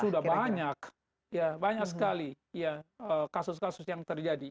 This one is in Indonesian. sudah banyak banyak sekali kasus kasus yang terjadi